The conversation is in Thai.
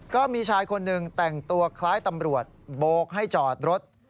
ก็มีชายคนหนึ่งแต่งตัวคล้ายตำรวจโบกให้จอดรถ